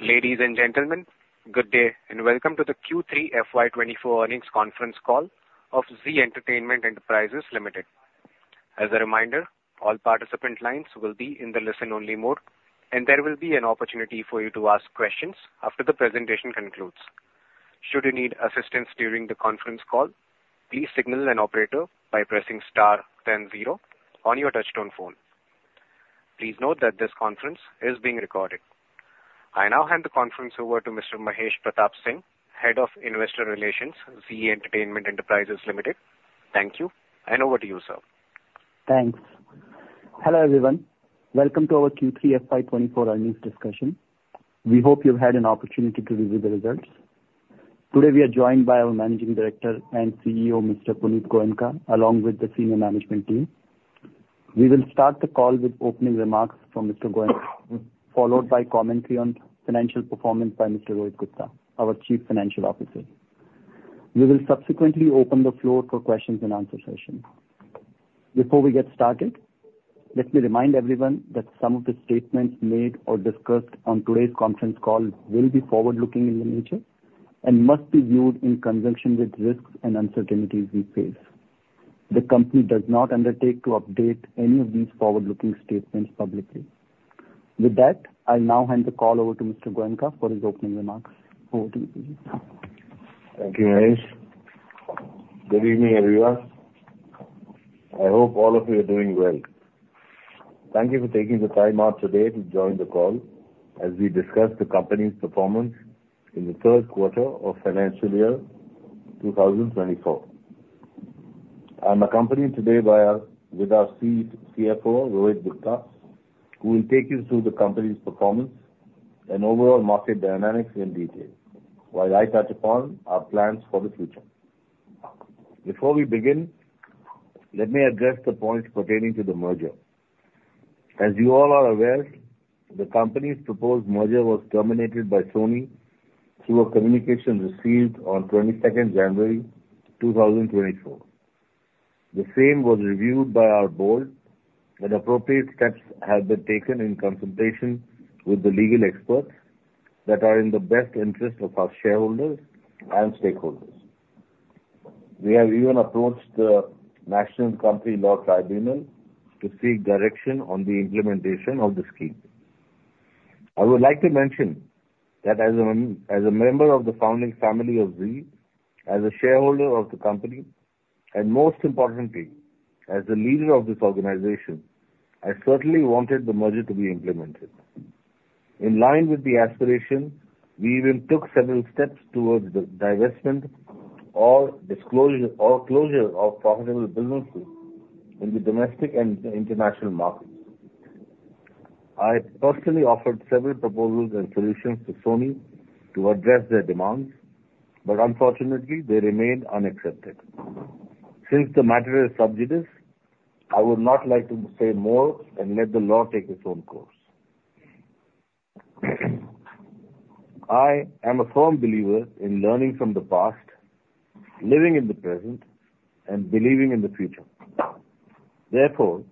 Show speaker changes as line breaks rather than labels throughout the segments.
Ladies and gentlemen, good day and welcome to the Q3 FY 2024 earnings conference call of Zee Entertainment Enterprises Limited. As a reminder, all participant lines will be in the listen-only mode, and there will be an opportunity for you to ask questions after the presentation concludes. Should you need assistance during the conference call, please signal an operator by pressing star 100 on your touch-tone phone. Please note that this conference is being recorded. I now hand the conference over to Mr. Mahesh Pratap Singh, Head of Investor Relations at Zee Entertainment Enterprises Limited. Thank you, and over to you, sir.
Thanks. Hello everyone, welcome to our Q3 FY 2024 earnings discussion. We hope you've had an opportunity to review the results. Today we are joined by our Managing Director and CEO, Mr. Punit Goenka, along with the senior management team. We will start the call with opening remarks from Mr. Goenka, followed by commentary on financial performance by Mr. Rohit Gupta, our Chief Financial Officer. We will subsequently open the floor for questions and answers session. Before we get started, let me remind everyone that some of the statements made or discussed on today's conference call will be forward-looking in nature and must be viewed in conjunction with risks and uncertainties we face. The company does not undertake to update any of these forward-looking statements publicly. With that, I'll now hand the call over to Mr. Goenka for his opening remarks. Over to you, please.
Thank you, Mahesh. Good evening, everyone. I hope all of you are doing well. Thank you for taking the time out today to join the call as we discuss the company's performance in the third quarter of financial year 2024. I'm accompanied today with our CFO, Rohit Gupta, who will take you through the company's performance and overall market dynamics in detail, while I touch upon our plans for the future. Before we begin, let me address the points pertaining to the merger. As you all are aware, the company's proposed merger was terminated by Sony through a communication received on 22nd January 2024. The same was reviewed by our board, and appropriate steps have been taken in consultation with the legal experts that are in the best interest of our shareholders and stakeholders. We have even approached the National Company Law Tribunal to seek direction on the implementation of the scheme. I would like to mention that as a member of the founding family of Zee, as a shareholder of the company, and most importantly, as the leader of this organization, I certainly wanted the merger to be implemented. In line with the aspiration, we even took several steps towards divestment or closure of profitable businesses in the domestic and international markets. I personally offered several proposals and solutions to Sony to address their demands, but unfortunately, they remained unaccepted. Since the matter is sub judice, I would not like to say more and let the law take its own course. I am a firm believer in learning from the past, living in the present, and believing in the future. Therefore,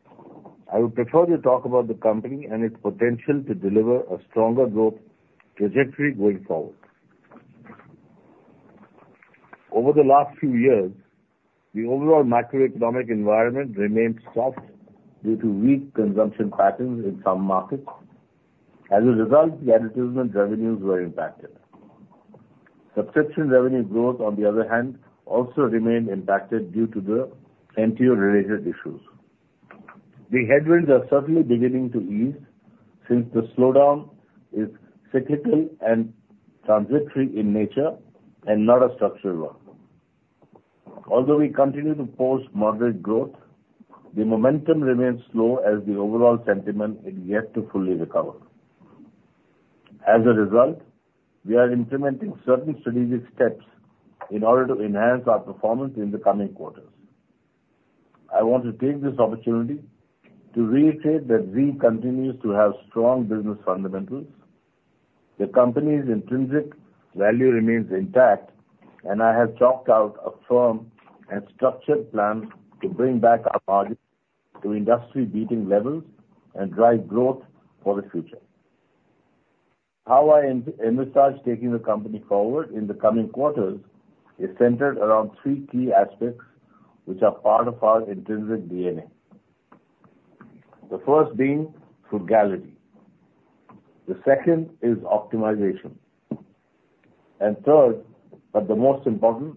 I would prefer to talk about the company and its potential to deliver a stronger growth trajectory going forward. Over the last few years, the overall macroeconomic environment remained soft due to weak consumption patterns in some markets. As a result, the advertisement revenues were impacted. Subscription revenue growth, on the other hand, also remained impacted due to the NTO-related issues. The headwinds are certainly beginning to ease since the slowdown is cyclical and transitory in nature and not a structural one. Although we continue to post moderate growth, the momentum remains slow as the overall sentiment is yet to fully recover. As a result, we are implementing certain strategic steps in order to enhance our performance in the coming quarters. I want to take this opportunity to reiterate that Zee continues to have strong business fundamentals. The company's intrinsic value remains intact, and I have chalked out a firm and structured plan to bring back our margins to industry-beating levels and drive growth for the future. How I envisage taking the company forward in the coming quarters is centered around three key aspects which are part of our intrinsic DNA. The first being frugality. The second is optimization. And third, but the most important,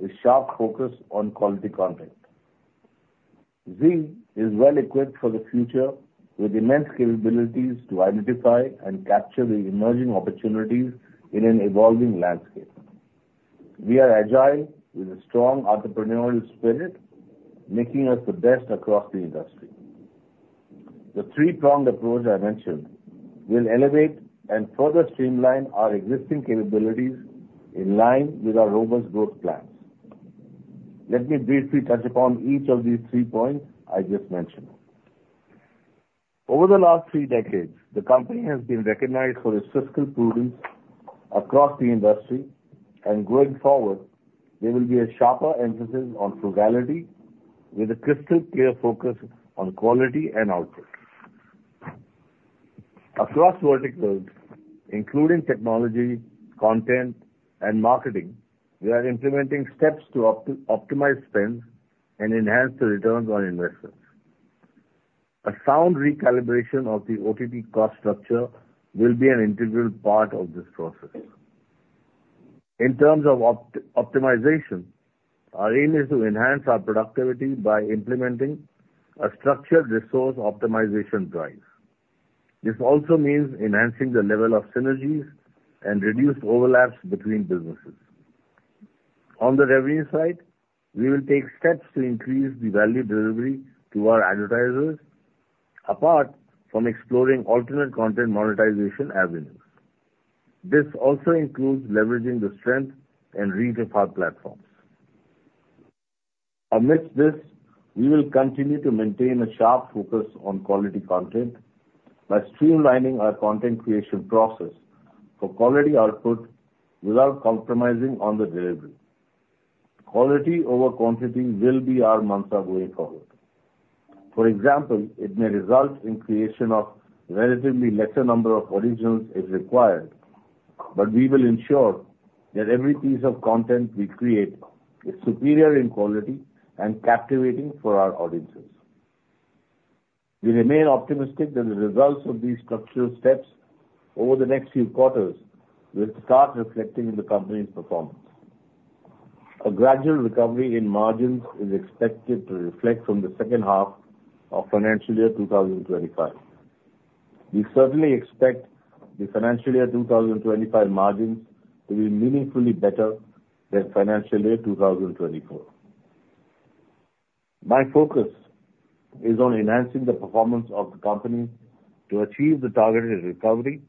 is sharp focus on quality content. Zee is well-equipped for the future with immense capabilities to identify and capture the emerging opportunities in an evolving landscape. We are agile with a strong entrepreneurial spirit, making us the best across the industry. The three-pronged approach I mentioned will elevate and further streamline our existing capabilities in line with our robust growth plans. Let me briefly touch upon each of these three points I just mentioned. Over the last three decades, the company has been recognized for its fiscal prudence across the industry, and going forward, there will be a sharper emphasis on frugality with a crystal-clear focus on quality and output. Across verticals, including technology, content, and marketing, we are implementing steps to optimize spends and enhance the returns on investments. A sound recalibration of the OTT cost structure will be an integral part of this process. In terms of optimization, our aim is to enhance our productivity by implementing a structured resource optimization drive. This also means enhancing the level of synergies and reduced overlaps between businesses. On the revenue side, we will take steps to increase the value delivery to our advertisers, apart from exploring alternate content monetization avenues. This also includes leveraging the strength and reach of our platforms. Amidst this, we will continue to maintain a sharp focus on quality content by streamlining our content creation process for quality output without compromising on the delivery. Quality over quantity will be our mantra going forward. For example, it may result in the creation of a relatively lesser number of originals if required, but we will ensure that every piece of content we create is superior in quality and captivating for our audiences. We remain optimistic that the results of these structural steps over the next few quarters will start reflecting in the company's performance. A gradual recovery in margins is expected to reflect from the second half of financial year 2025. We certainly expect the financial year 2025 margins to be meaningfully better than financial year 2024. My focus is on enhancing the performance of the company to achieve the targeted recovery,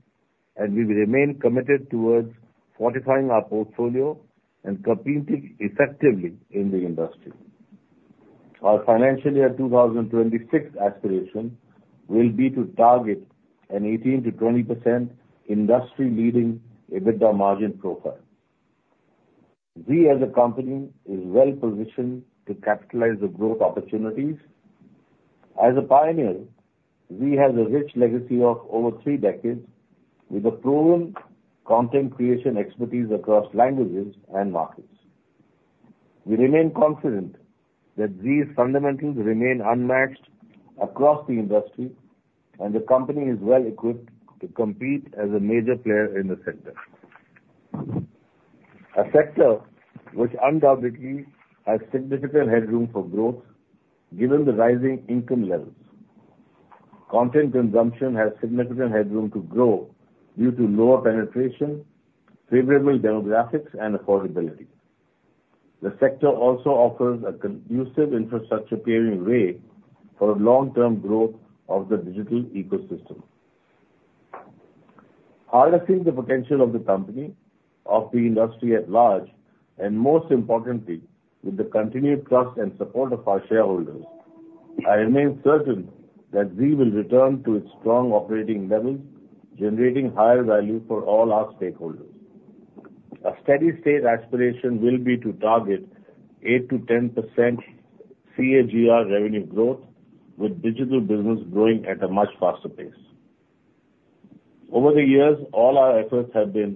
and we will remain committed toward fortifying our portfolio and competing effectively in the industry. Our financial year 2026 aspiration will be to target an 18%-20% industry-leading EBITDA margin profile. Zee, as a company, is well-positioned to capitalize on growth opportunities. As a pioneer, Zee has a rich legacy of over three decades with a proven content creation expertise across languages and markets. We remain confident that Zee's fundamentals remain unmatched across the industry, and the company is well-equipped to compete as a major player in the sector. A sector which undoubtedly has significant headroom for growth given the rising income levels. Content consumption has significant headroom to grow due to lower penetration, favorable demographics, and affordability. The sector also offers a conducive infrastructure-pairing way for long-term growth of the digital ecosystem. Harnessing the potential of the company, of the industry at large, and most importantly, with the continued trust and support of our shareholders, I remain certain that Zee will return to its strong operating levels, generating higher value for all our stakeholders. A steady-state aspiration will be to target 8%-10% CAGR revenue growth, with digital business growing at a much faster pace. Over the years, all our efforts have been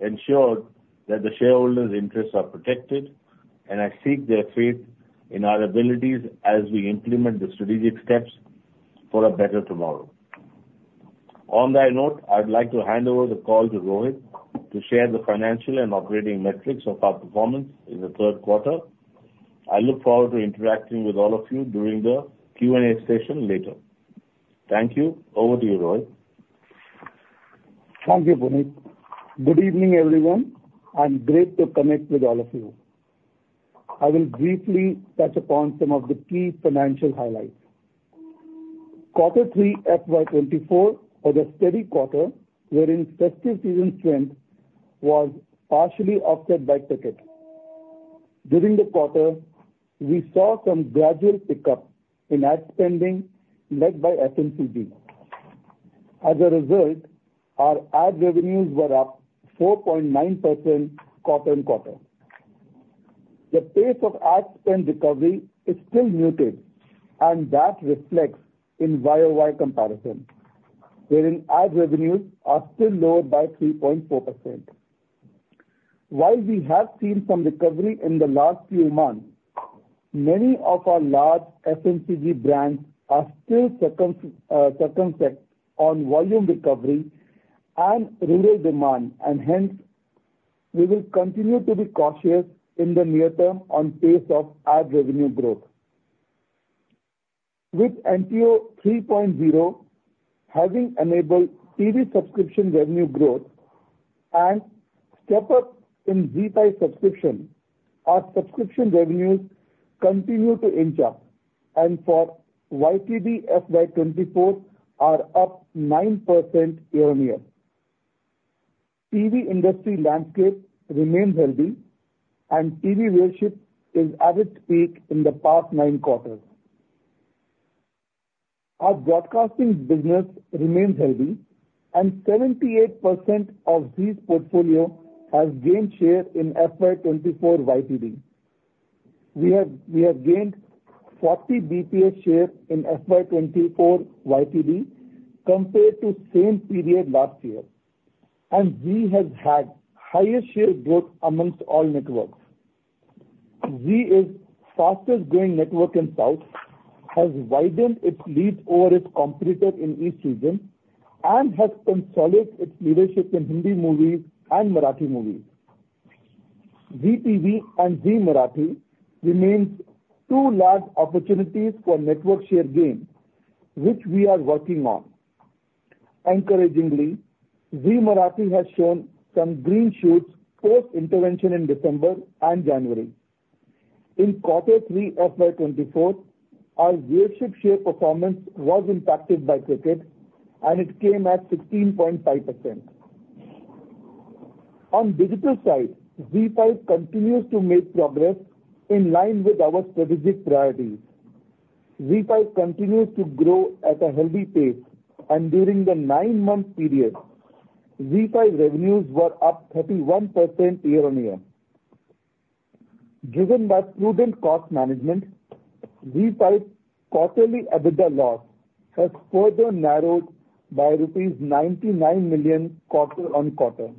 ensured that the shareholders' interests are protected, and I seek their faith in our abilities as we implement the strategic steps for a better tomorrow. On that note, I'd like to hand over the call to Rohit to share the financial and operating metrics of our performance in the third quarter. I look forward to interacting with all of you during the Q&A session later. Thank you. Over to you, Rohit.
Thank you, Punit. Good evening, everyone. I'm glad to connect with all of you. I will briefly touch upon some of the key financial highlights. Q3 FY 2024 was a steady quarter wherein festive season strength was partially offset by tickets. During the quarter, we saw some gradual pickup in ad spending led by FMCG. As a result, our ad revenues were up 4.9% quarter-on-quarter. The pace of ad spend recovery is still muted, and that reflects in YoY comparison, wherein ad revenues are still lower by 3.4%. While we have seen some recovery in the last few months, many of our large FMCG brands are still circumspect on volume recovery and rural demand, and hence, we will continue to be cautious in the near term on the pace of ad revenue growth. With NTO 3.0 having enabled TV subscription revenue growth and a step-up in ZEE5 Subscription, our subscription revenues continue to inch up, and for YTD FY2024, are up 9% year-on-year. TV industry landscape remains healthy, and TV viewership is at its peak in the past nine quarters. Our broadcasting business remains healthy, and 78% of Zee's portfolio has gained share in FY 2024 YTD. We have gained 40 basis points share in FY 2024 YTD compared to the same period last year, and Zee has had the highest share growth amongst all networks. Zee is the fastest-growing network in the South, has widened its leads over its competitors in the East region, and has consolidated its leadership in Hindi movies and Marathi movies. Zee TV and Zee Marathi remain two large opportunities for network share gain, which we are working on. Encouragingly, Zee Marathi has shown some green shoots post-intervention in December and January. In Q3 FY 2024, our viewership share performance was impacted by cricket, and it came at 16.5%. On the digital side, ZEE5 continues to make progress in line with our strategic priorities. ZEE5 continues to grow at a healthy pace, and during the nine-month period, ZEE5 revenues were up 31% year-over-year. Driven by prudent cost management, ZEE5's quarterly EBITDA loss has further narrowed by rupees 99 million quarter-over-quarter.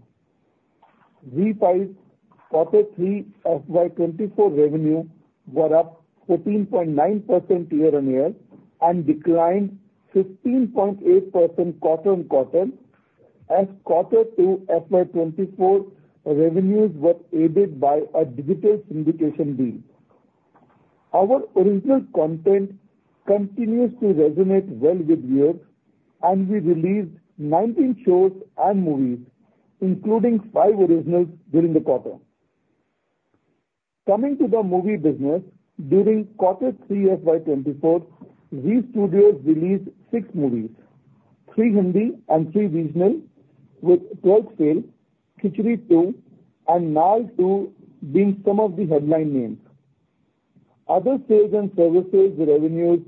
ZEE5's Quarter 3 FY 2024 revenue was up 14.9% year-over-year and declined 15.8% quarter-over-quarter as Q2 FY 2024 revenues were aided by a digital syndication deal. Our original content continues to resonate well with viewers, and we released 19 shows and movies, including five originals during the quarter. Coming to the movie business, during Q3 FY2024, Zee Studios released six movies, three Hindi and three regional, with "12th Fail", "Khichdi 2," and "Naal 2" being some of the headline names. Other sales and services revenues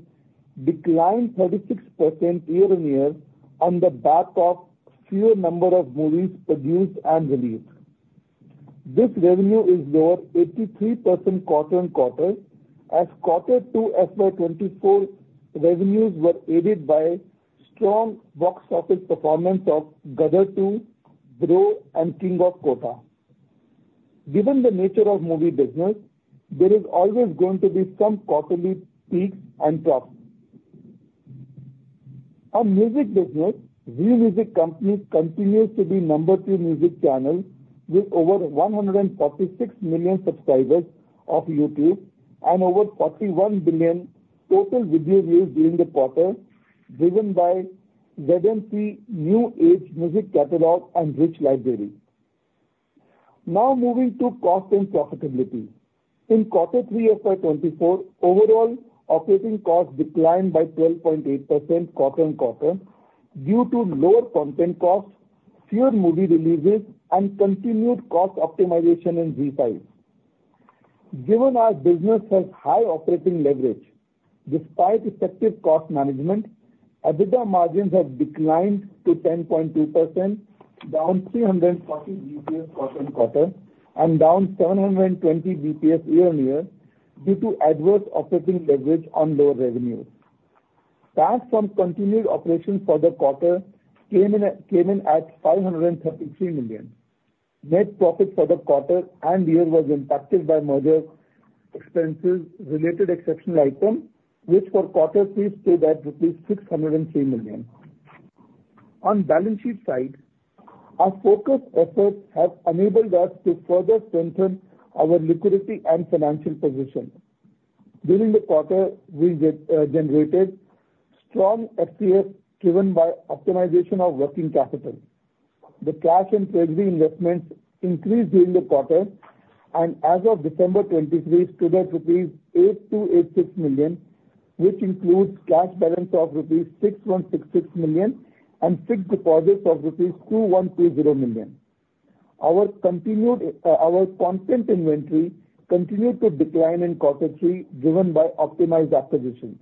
declined 36% year-on-year on the back of a fewer number of movies produced and released. This revenue is lower 83% quarter-on-quarter as Q2 FY 2024 revenues were aided by strong box office performances of "Gadar 2," "Bro," and "King of Kotha." Given the nature of the movie business, there is always going to be some quarterly peaks and troughs. On the music business, Zee Music Company continues to be the number two music channel with over 146 million subscribers on YouTube and over 41 billion total video views during the quarter, driven by ZMC's new age music catalog and rich library. Now moving to cost and profitability. In Q3 FY 2024, overall operating costs declined by 12.8% quarter-on-quarter due to lower content costs, fewer movie releases, and continued cost optimization in ZEE5. Given our business has high operating leverage, despite effective cost management, EBITDA margins have declined to 10.2%, down 340 basis points quarter-on-quarter, and down 720 basis points year-on-year due to adverse operating leverage on lower revenues. Cash from continued operations for the quarter came in at 533 million. Net profit for the quarter and year was impacted by mergers' expenses related to exceptional items, which for Quarter 3 stood at rupees 603 million. On the balance sheet side, our focused efforts have enabled us to further strengthen our liquidity and financial position. During the quarter, we generated strong FCF driven by optimization of working capital. The cash and treasury investments increased during the quarter, and as of December 2023, stood at rupees 8,286 million, which includes cash balance of rupees 6,166 million and fixed deposits of rupees 2,120 million. Our content inventory continued to decline in Quarter 3 driven by optimized acquisitions.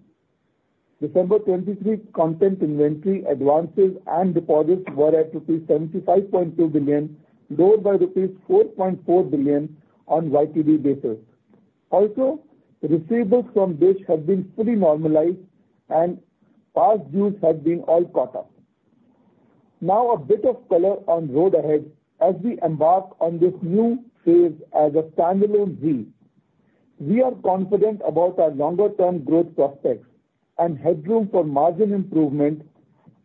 December 2023 content inventory advances and deposits were at 75.2 billion, lower by 4.4 billion on a YTD basis. Also, receivables from Dish have been fully normalized, and past dues have been all caught up. Now a bit of color on the road ahead as we embark on this new phase as a standalone Zee. We are confident about our longer-term growth prospects and headroom for margin improvement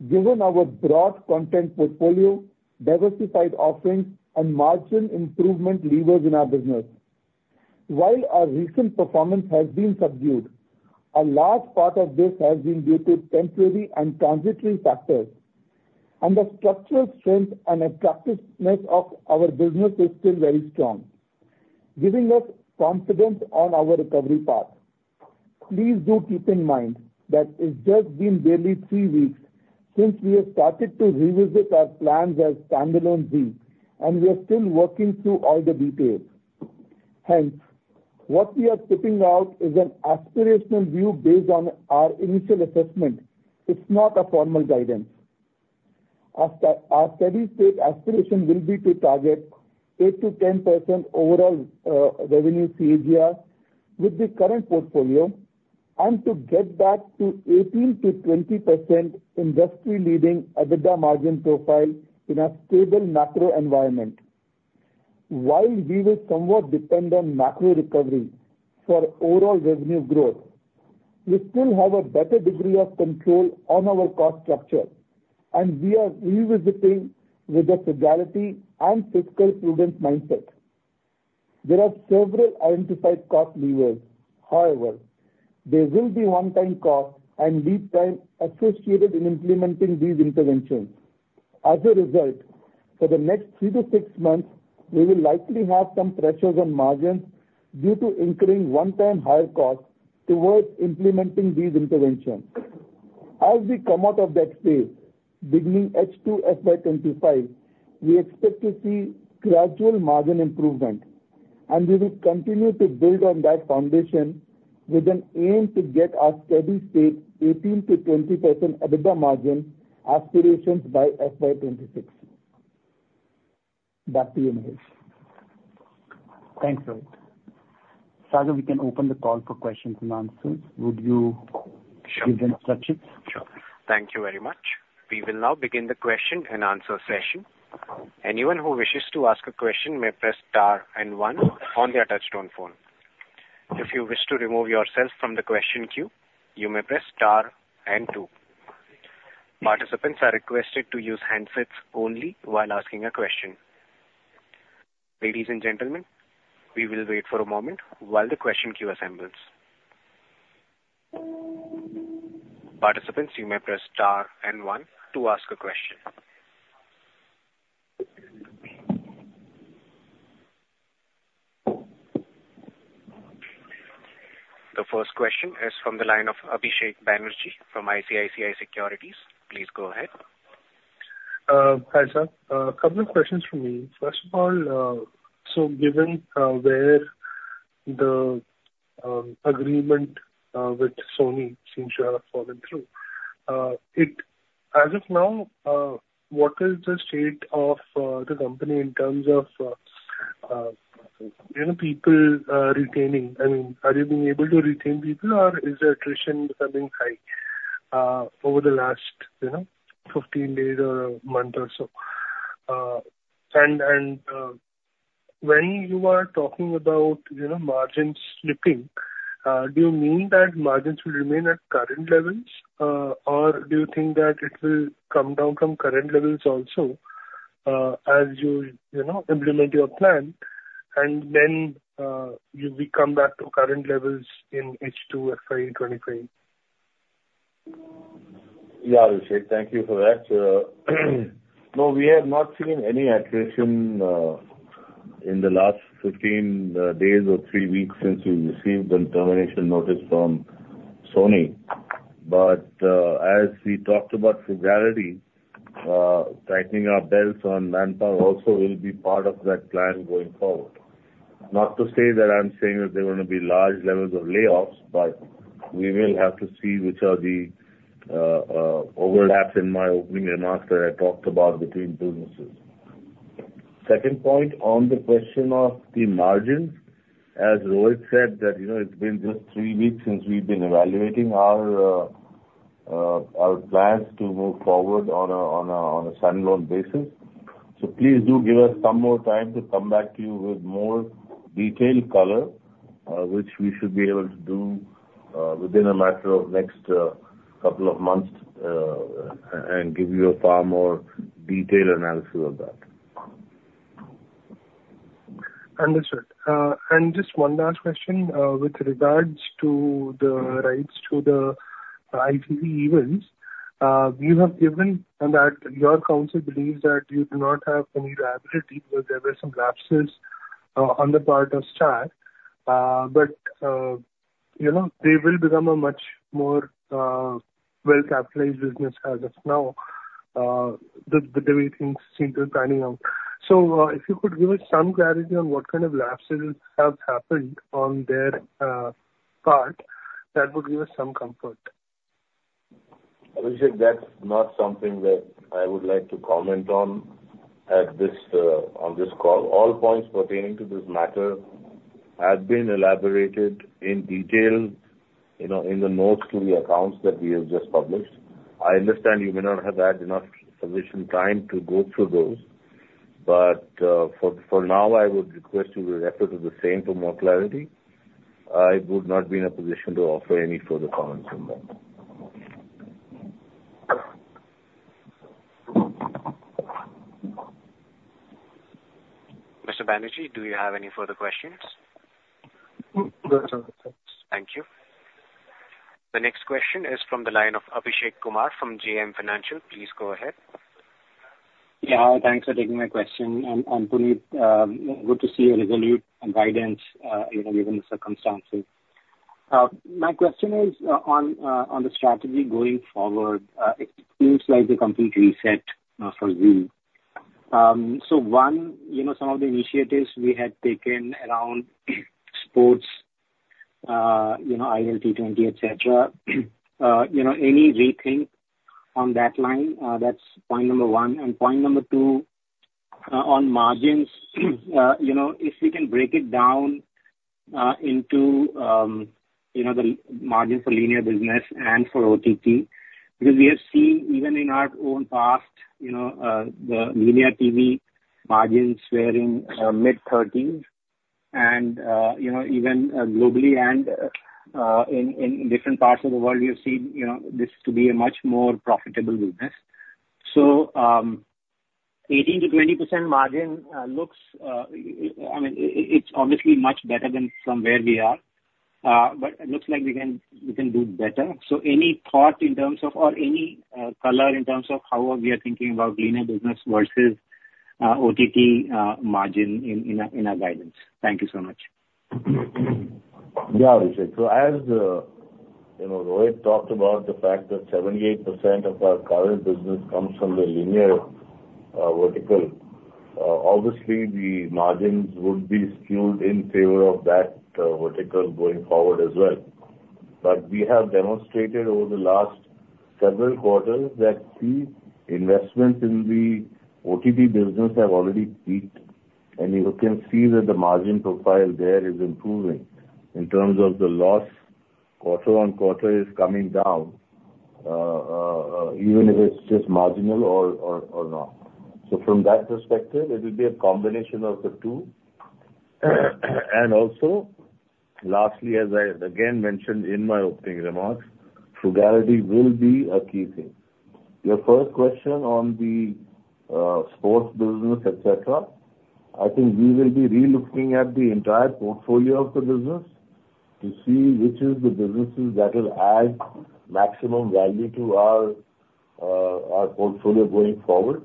given our broad content portfolio, diversified offerings, and margin improvement levers in our business. While our recent performance has been subdued, a large part of this has been due to temporary and transitory factors, and the structural strength and attractiveness of our business is still very strong, giving us confidence on our recovery path. Please do keep in mind that it has just been barely three weeks since we have started to revisit our plans as a standalone Zee, and we are still working through all the details. Hence, what we are putting out is an aspirational view based on our initial assessment. It's not a formal guidance. Our steady-state aspiration will be to target 8%-10% overall revenue CAGR with the current portfolio and to get back to 18%-20% industry-leading EBITDA margin profile in a stable macro environment. While we will somewhat depend on macro recovery for overall revenue growth, we still have a better degree of control on our cost structure, and we are revisiting with a frugality and fiscal prudence mindset. There are several identified cost levers. However, there will be one-time costs and lead time associated in implementing these interventions. As a result, for the next three to six months, we will likely have some pressures on margins due to increasing one-time higher costs towards implementing these interventions. As we come out of that phase, beginning H2 FY 2025, we expect to see gradual margin improvement, and we will continue to build on that foundation with an aim to get our steady-state 18%-20% EBITDA margin aspirations by FY 2026. Back to you, Mahesh.
Thanks, Rohit. Sir, we can open the call for questions and answers. Would you give the instructions?
Sure. Thank you very much. We will now begin the question and answer session. Anyone who wishes to ask a question may press star and one on their touchtone phone. If you wish to remove yourself from the question queue, you may press star and two. Participants are requested to use handsets only while asking a question. Ladies and gentlemen, we will wait for a moment while the question queue assembles. Participants, you may press star and one to ask a question. The first question is from the line of Abhishek Banerjee from ICICI Securities. Please go ahead.
Hi, Sir. A couple of questions from me. First of all, so given where the agreement with Sony seems to have fallen through, as of now, what is the state of the company in terms of people retaining? I mean, are they being able to retain people, or is the attrition becoming high over the last 15 days or a month or so? And when you are talking about margins slipping, do you mean that margins will remain at current levels, or do you think that it will come down from current levels also as you implement your plan, and then we come back to current levels in H2 FY 2025?
Yeah, Abhishek. Thank you for that. No, we have not seen any attrition in the last 15 days or three weeks since we received the termination notice from Sony. But as we talked about frugality, tightening our belts on manpower also will be part of that plan going forward. Not to say that I'm saying that there are going to be large levels of layoffs, but we will have to see which are the overlaps in my opening remarks that I talked about between businesses. Second point, on the question of the margins, as Rohit said, that it's been just 3 weeks since we've been evaluating our plans to move forward on a standalone basis. Please do give us some more time to come back to you with more detailed color, which we should be able to do within a matter of the next couple of months and give you a far more detailed analysis of that.
Understood. Just one last question. With regards to the rights to the ILT20 events, you have given that your counsel believes that you do not have any liability because there were some lapses on the part of Star. But they will become a much more well-capitalized business as of now, the way things seem to be panning out. So if you could give us some clarity on what kind of lapses have happened on their part, that would give us some comfort.
Abhishek, that's not something that I would like to comment on on this call. All points pertaining to this matter have been elaborated in detail in the notes to the accounts that we have just published. I understand you may not have had enough sufficient time to go through those, but for now, I would request you to refer to the same for more clarity. I would not be in a position to offer any further comments on that.
Mr. Banerjee, do you have any further questions?
No, sir.
Thank you. The next question is from the line of Abhishek Kumar from JM Financial. Please go ahead.
Yeah. Thanks for taking my question. And Punit, good to see your resolute guidance given the circumstances. My question is on the strategy going forward. It seems like a complete reset for Zee. So one, some of the initiatives we had taken around sports, ILT20, etc., any rethink on that line? That's point number one. And point number two, on margins, if we can break it down into the margins for linear business and for OTT because we have seen, even in our own past, the linear TV margins were in mid-30s. And even globally and in different parts of the world, we have seen this to be a much more profitable business. So 18%-20% margin looks I mean, it's obviously much better than from where we are, but it looks like we can do better. Any thought in terms of or any color in terms of how we are thinking about linear business versus OTT margin in our guidance? Thank you so much.
Yeah, Abhishek. So as Rohit talked about the fact that 78% of our current business comes from the linear vertical, obviously, the margins would be skewed in favor of that vertical going forward as well. But we have demonstrated over the last several quarters that the investments in the OTT business have already peaked, and you can see that the margin profile there is improving in terms of the loss quarter-on-quarter is coming down, even if it's just marginal or not. So from that perspective, it will be a combination of the two. And also, lastly, as I again mentioned in my opening remarks, fidelity will be a key thing. Your first question on the sports business, etc., I think we will be relooking at the entire portfolio of the business to see which is the businesses that will add maximum value to our portfolio going forward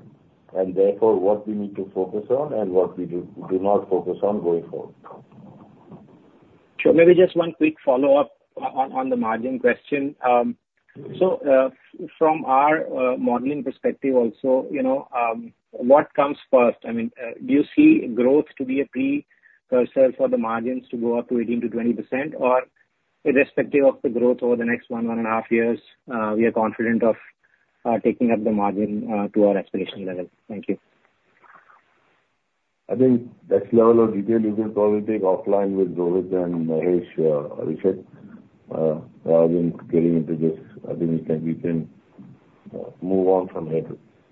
and, therefore, what we need to focus on and what we do not focus on going forward.
Sure. Maybe just one quick follow-up on the margin question. So from our modeling perspective also, what comes first? I mean, do you see growth to be a precursor for the margins to go up to 18%-20%, or irrespective of the growth over the next one, one and a half years, we are confident of taking up the margin to our aspirational level? Thank you.
I think that level of detail you can probably take offline with Rohit and Mahesh, Abhishek. Rather than getting into this, I think we can move on from here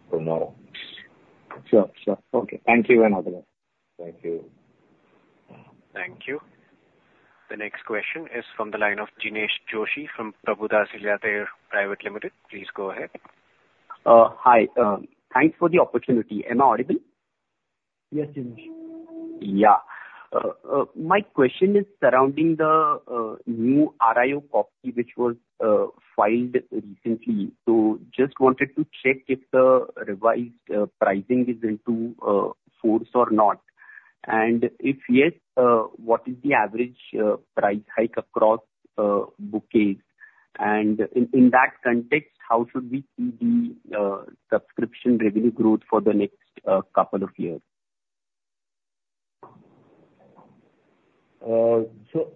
for now.
Sure. Sure. Okay. Thank you and have a good day.
Thank you.
Thank you. The next question is from the line of Jinesh Joshi from Prabhudas Lilladher Private Limited. Please go ahead.
Hi. Thanks for the opportunity. Am I audible?
Yes, Jinesh.
Yeah. My question is surrounding the new RIO copy which was filed recently. So just wanted to check if the revised pricing is in force or not. And if yes, what is the average price hike across bouquets? And in that context, how should we see the subscription revenue growth for the next couple of years?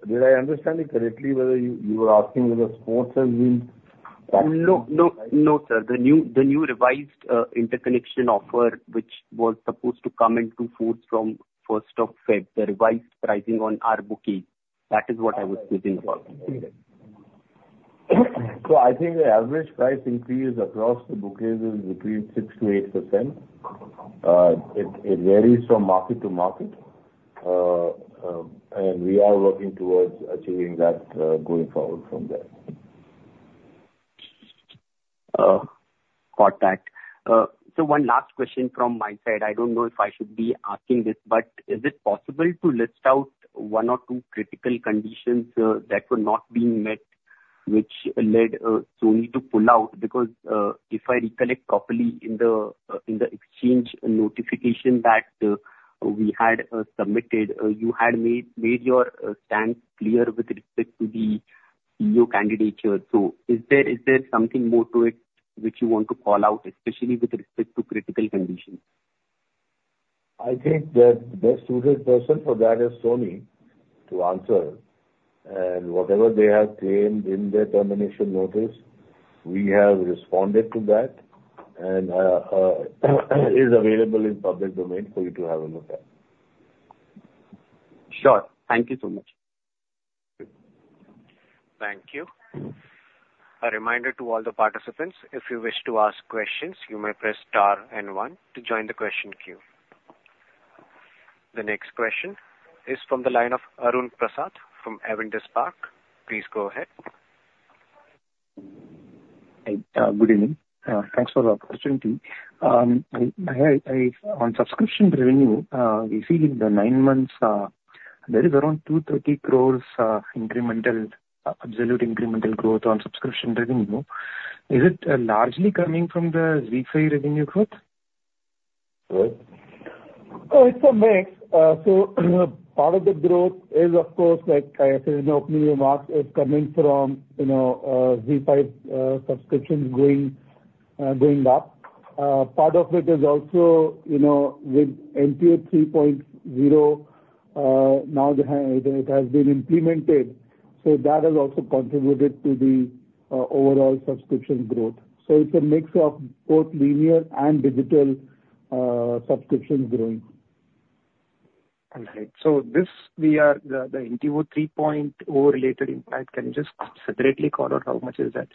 Did I understand it correctly whether you were asking whether sports has been taxed?
No, no, no, sir. The new revised interconnection offer which was supposed to come into force from 1st of February, the revised pricing on our bouquets, that is what I was quizzing about.
I think the average price increase across the bouquets is between 6%-8%. It varies from market to market, and we are working towards achieving that going forward from there.
Got that. So one last question from my side. I don't know if I should be asking this, but is it possible to list out one or two critical conditions that were not being met which led Sony to pull out? Because if I recollect properly, in the exchange notification that we had submitted, you had made your stance clear with respect to the CEO candidature. So is there something more to it which you want to call out, especially with respect to critical conditions?
I think that the best suited person for that is Sony to answer. Whatever they have claimed in their termination notice, we have responded to that and is available in public domain for you to have a look at.
Sure. Thank you so much.
Thank you. A reminder to all the participants, if you wish to ask questions, you may press star and one to join the question queue. The next question is from the line of Arun Prasath from Avendus Spark. Please go ahead.
Good evening. Thanks for the opportunity. On subscription revenue, we see in the nine months, there is around 230 crore absolute incremental growth on subscription revenue. Is it largely coming from the ZEE5 revenue growth?
It's a mix. So part of the growth is, of course, like I said in my opening remarks, it's coming from ZEE5 subscriptions going up. Part of it is also with NTO 3.0. Now, it has been implemented. So that has also contributed to the overall subscription growth. So it's a mix of both linear and digital subscriptions growing.
Understood. So the NTO 3.0-related impact, can you just separately call out how much is that?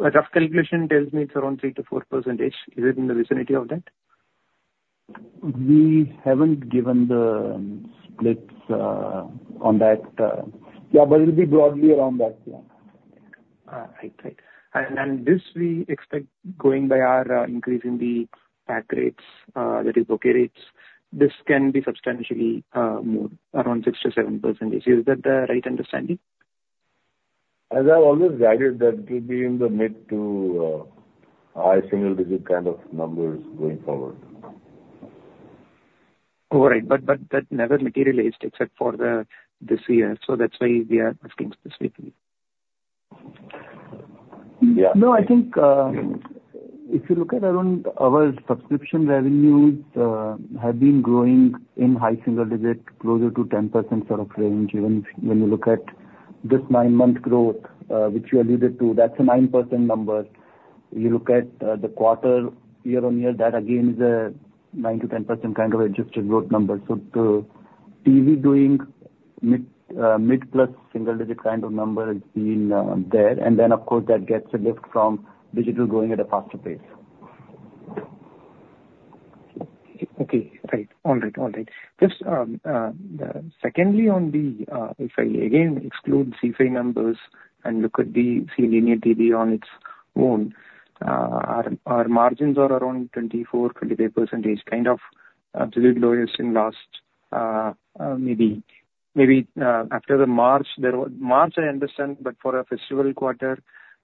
A rough calculation tells me it's around 3%-4%. Is it in the vicinity of that?
We haven't given the splits on that. Yeah, but it'll be broadly around that. Yeah.
Right. Right. And this we expect going by our increase in the pack rates, that is, bouquet rates. This can be substantially more, around 6%-7%. Is that the right understanding?
As I've always guided, that it will be in the mid to high single-digit kind of numbers going forward.
All right. But that never materialized except for this year. So that's why we are asking specifically.
Yeah. No, I think if you look at our subscription revenues, they have been growing in high single digit, closer to 10% sort of range. Even when you look at this nine-month growth which you alluded to, that's a 9% number. You look at the quarter year-on-year, that again is a 9%-10% kind of adjusted growth number. So the TV doing mid-plus single-digit kind of number has been there. And then, of course, that gets a lift from digital growing at a faster pace.
Okay. Right. All right. All right. Secondly, on the if I again exclude ZEE5 numbers and look at the linear TV on its own, our margins are around 24%-25%, kind of absolute lowest in last maybe after the March, I understand. But for a festival quarter,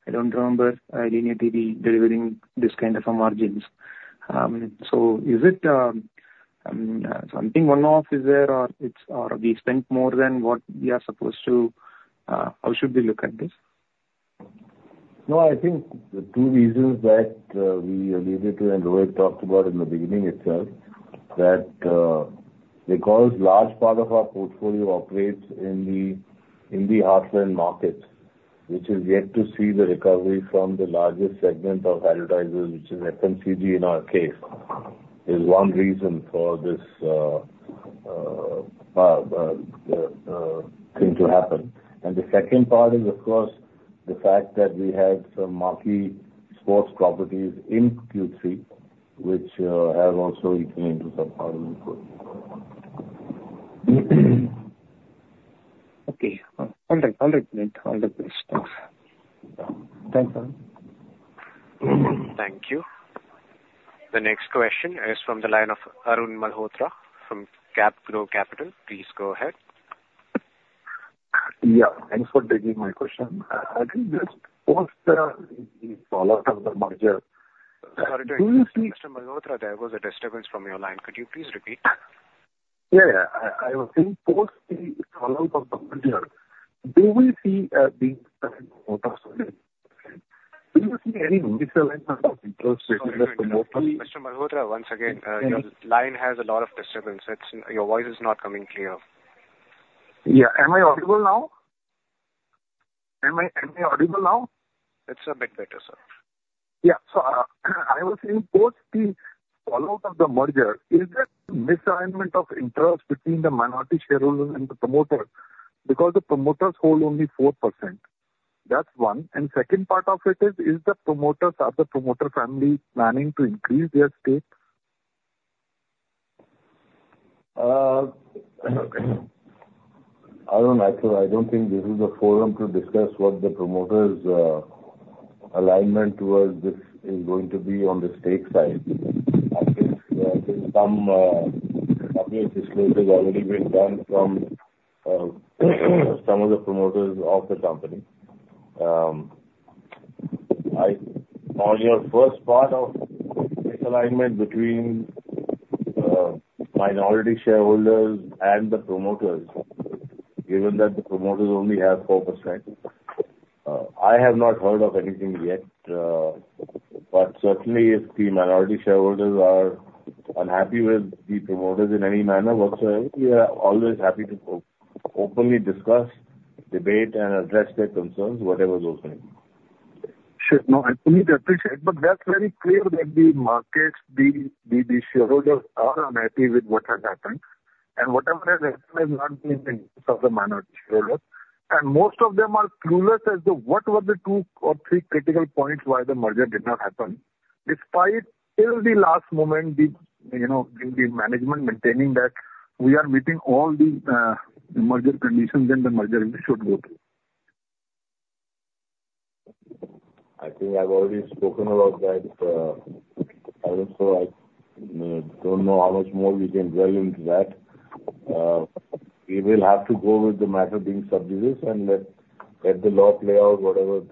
I don't remember linear TV delivering this kind of margins. So, is it something one-off, or is there, or have we spent more than what we are supposed to? How should we look at this?
No, I think the two reasons that we alluded to and Rohit talked about in the beginning itself, that because a large part of our portfolio operates in the heartland markets, which is yet to see the recovery from the largest segment of advertisers, which is FMCG in our case, is one reason for this thing to happen. And the second part is, of course, the fact that we had some marquee sports properties in Q3 which have also eaten into some part of the input.
Okay. All right. All right, Punit. All the best. Thanks.
Thanks, Arun.
Thank you. The next question is from the line of Arun Malhotra from CapGrow Capital. Please go ahead.
Yeah. Thanks for taking my question. I think this, post the fallout of the merger.
Sorry to interrupt, Mr. Malhotra. There was a disturbance from your line. Could you please repeat?
Yeah, yeah. I think post the fallout of the merger, do we see the promoters again? Do you see any misalignment of interest between the promoters?
Sorry, Mr. Malhotra. Once again, your line has a lot of disturbance. Your voice is not coming clear.
Yeah. Am I audible now? Am I audible now?
It's a bit better, sir.
Yeah. So I was saying post the fallout of the merger, is there misalignment of interest between the minority shareholders and the promoters because the promoters hold only 4%? That's one. And second part of it is, are the promoters planning to increase their stake?
Arun, I don't think this is a forum to discuss what the promoters' alignment towards this is going to be on the stake side. I think some pledging has already been done from some of the promoters of the company. On your first part of misalignment between minority shareholders and the promoters, given that the promoters only have 4%, I have not heard of anything yet. But certainly, if the minority shareholders are unhappy with the promoters in any manner whatsoever, we are always happy to openly discuss, debate, and address their concerns, whatever those may be.
Sure. No, I appreciate it. That's very clear that the shareholders are unhappy with what has happened. Whatever has happened has not been in the interest of the minority shareholders. Most of them are clueless as to what were the two or three critical points why the merger did not happen, despite till the last moment, the management maintaining that we are meeting all the merger conditions and the merger should go through.
I think I've already spoken about that. Arun, so I don't know how much more we can dwell into that. We will have to go with the matter being sub judice and let the law play out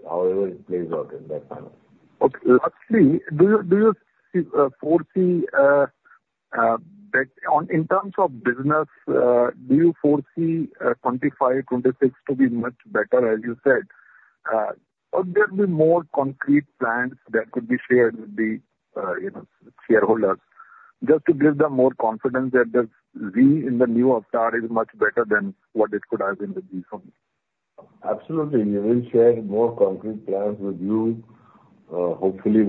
however it plays out in that manner.
Lastly, do you foresee that in terms of business, do you foresee 2025, 2026 to be much better, as you said? Or there'll be more concrete plans that could be shared with the shareholders just to give them more confidence that the Zee in the new avatar is much better than what it could have been with Zee Sony?
Absolutely. We will share more concrete plans with you, hopefully,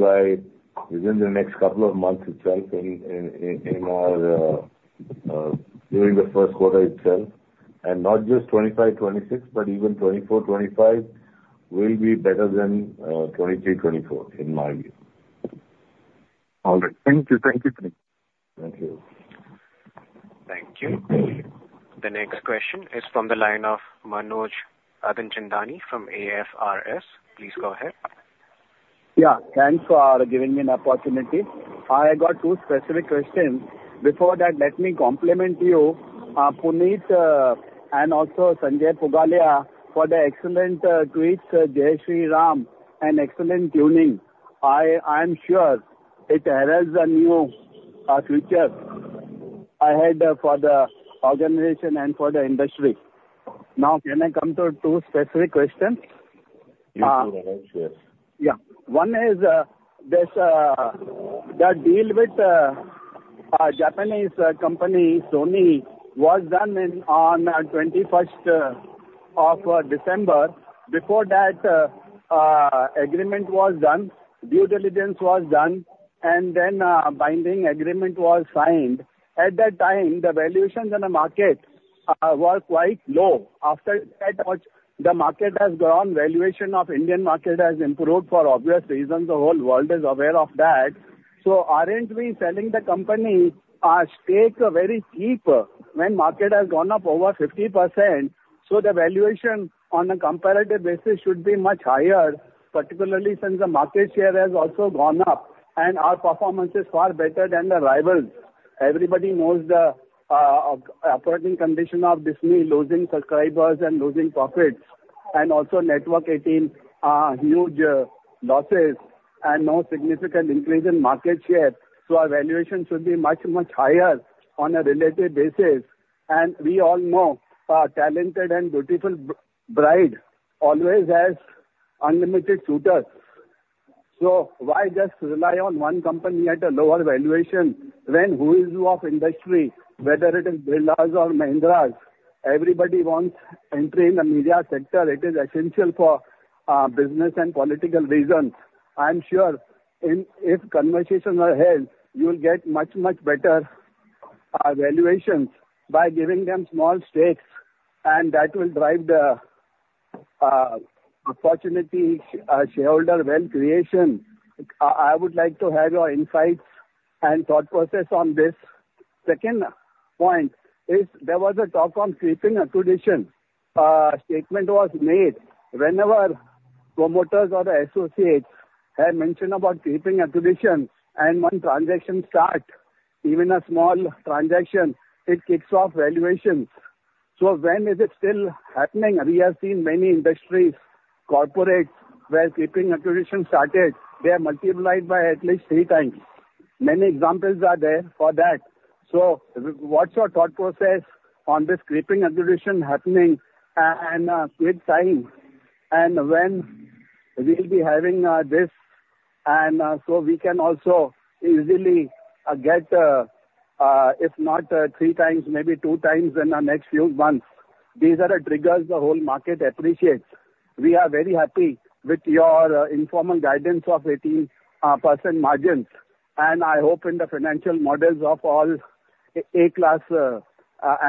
within the next couple of months itself during the first quarter itself. Not just 2025, 2026, but even 2024, 2025 will be better than 2023, 2024 in my view.
All right. Thank you. Thank you, Punit.
Thank you.
Thank you. The next question is from the line of Manoj Alimchandani from AFRS. Please go ahead.
Yeah. Thanks for giving me an opportunity. I got two specific questions. Before that, let me compliment you, Punit, and also Sanjay Pugalia, for the excellent tweets, "Jai Shri Ram," and excellent tuning. I am sure it heralds a new future ahead for the organization and for the industry. Now, can I come to two specific questions?
You should. I am sure.
Yeah. One is the deal with Japanese company Sony was done on the 21st of December. Before that, agreement was done, due diligence was done, and then binding agreement was signed. At that time, the valuations in the market were quite low. After that, the market has grown. Valuation of the Indian market has improved for obvious reasons. The whole world is aware of that. So aren't we selling the company our stake very cheap when the market has gone up over 50%? So the valuation on a comparative basis should be much higher, particularly since the market share has also gone up and our performance is far better than the rivals. Everybody knows the operating condition of Disney, losing subscribers and losing profits, and also Network 18, huge losses and no significant increase in market share. So our valuation should be much, much higher on a relative basis. We all know a talented and beautiful bride always has unlimited suitors. So why just rely on one company at a lower valuation when who's who of the industry, whether it is Birlas or Mahindras? Everybody wants entry in the media sector. It is essential for business and political reasons. I am sure if conversations are held, you will get much, much better valuations by giving them small stakes. And that will drive the opportunity shareholder wealth creation. I would like to have your insights and thought process on this. Second point is there was a talk on creeping acquisition. A statement was made. Whenever promoters or associates had mentioned about creeping acquisition and when transactions start, even a small transaction, it kicks off valuations. So when is it still happening? We have seen many industries, corporates, where creeping acquisition started, they are multiplied by at least three times. Many examples are there for that. So what's your thought process on this creeping acquisition happening and QIP signing? And when will we be having this? And so we can also easily get, if not 3x, maybe 2x in the next few months. These are the triggers the whole market appreciates. We are very happy with your informal guidance of 18% margins. And I hope in the financial models of all A-class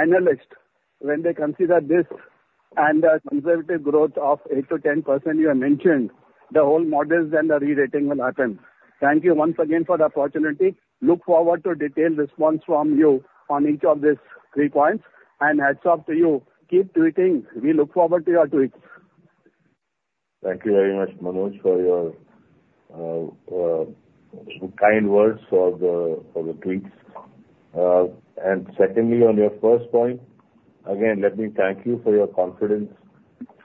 analysts, when they consider this and the conservative growth of 8%-10% you have mentioned, the whole models and the re-rating will happen. Thank you once again for the opportunity. Look forward to detailed response from you on each of these 3 points. And hats off to you. Keep tweeting. We look forward to your tweets.
Thank you very much, Manoj, for your kind words for the tweets. Secondly, on your first point, again, let me thank you for your confidence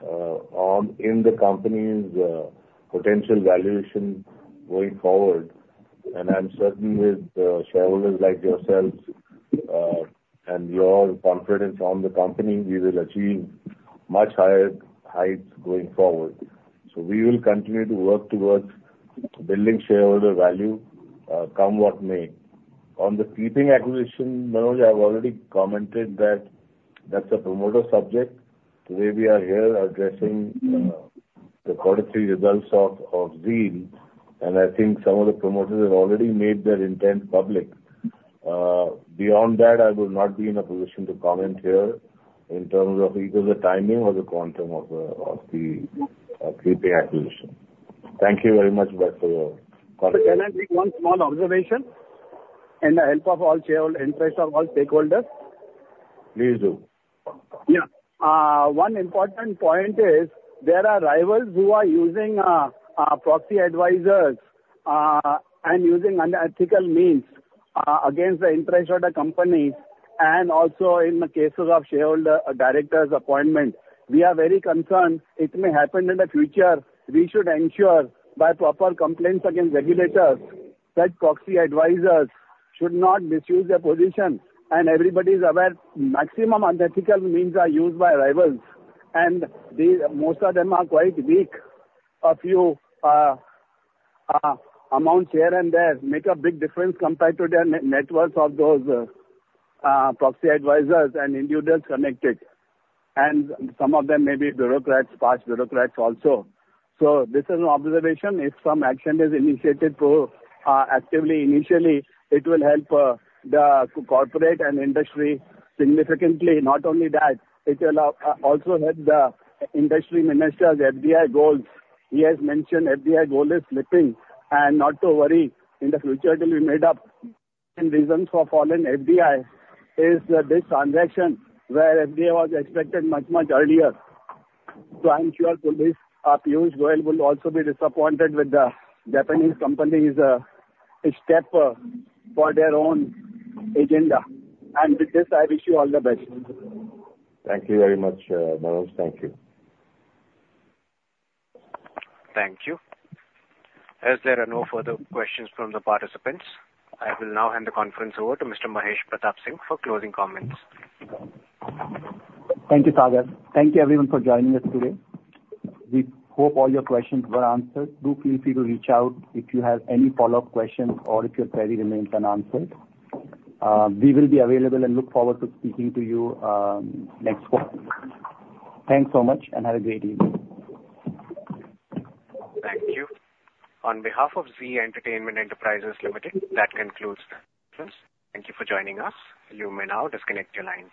in the company's potential valuation going forward. I'm certain with shareholders like yourselves and your confidence in the company, we will achieve much higher heights going forward. We will continue to work towards building shareholder value come what may. On the creeping acquisition, Manoj, I've already commented that that's a promoter subject. Today, we are here addressing the Quarter 3 results of ZEEL. I think some of the promoters have already made their intent public. Beyond that, I will not be in a position to comment here in terms of either the timing or the quantum of the creeping acquisition. Thank you very much, Bhai, for your comment.
So, can I make one small observation? In the interest of all shareholder interests or all stakeholders?
Please do.
Yeah. One important point is there are rivals who are using proxy advisors and using unethical means against the interests of the companies. Also in the cases of shareholder directors' appointment, we are very concerned it may happen in the future. We should ensure by proper complaints against regulators that proxy advisors should not misuse their position. Everybody is aware maximum unethical means are used by rivals. Most of them are quite weak. A few amount here and there make a big difference compared to their networks of those proxy advisors and individuals connected. Some of them may be bureaucrats, past bureaucrats also. This is an observation. If some action is initiated actively initially, it will help the corporate and industry significantly. Not only that, it will also help the industry ministers' FDI goals. He has mentioned FDI goal is slipping. Not to worry, in the future, till we made up reasons for fallen FDI is this transaction where FDI was expected much, much earlier. So I am sure Punit, Piyush Goyal will also be disappointed with the Japanese company's step for their own agenda. With this, I wish you all the best.
Thank you very much, Manoj. Thank you.
Thank you. As there are no further questions from the participants, I will now hand the conference over to Mr. Mahesh Pratap Singh for closing comments.
Thank you, Sir. Thank you, everyone, for joining us today. We hope all your questions were answered. Do feel free to reach out if you have any follow-up questions or if your query remains unanswered. We will be available and look forward to speaking to you next quarter. Thanks so much and have a great evening.
Thank you. On behalf of Zee Entertainment Enterprises Limited, that concludes the conference. Thank you for joining us. You may now disconnect your lines.